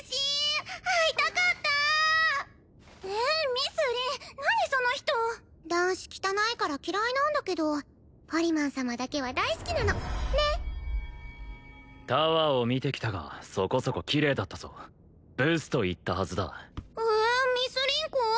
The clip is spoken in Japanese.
ミスリン何その人男子汚いから嫌いなんだけどポリマン様だけは大好きなのねっタワーを見てきたがそこそこキレイだったぞブスと言ったはずだえミスリンコ？